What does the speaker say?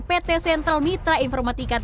pt sentral mitra informatika